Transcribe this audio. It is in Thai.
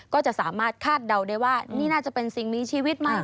ก็จะสามารถคาดเดาได้ว่านี่น่าจะเป็นสิ่งมีชีวิตมาก